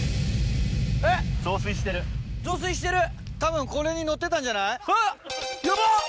増水してる増水してる⁉たぶんこれにのってたんじゃない⁉ヤバ‼